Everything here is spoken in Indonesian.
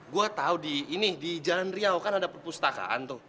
gue tahu di ini di jalan riau kan ada perpustakaan tuh